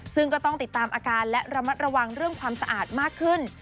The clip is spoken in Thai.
ซึ่งก็ต้องติดตามอาการและระมัดระวังเรื่องความสะอาดมากขึ้น